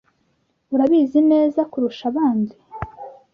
Urabizi neza kurusha abandi.